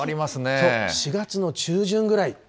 ４月の中旬ぐらい。